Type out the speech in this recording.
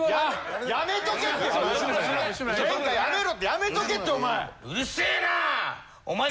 やめとけってお前！